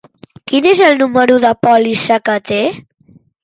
Quin és el número de pòlissa que té?